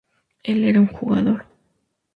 Él era un jugador.